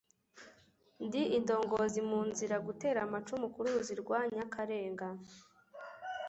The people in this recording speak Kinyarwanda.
Ndi indongozi mu nziza, Gutera amacumu ku ruzi rwa Nyakarenga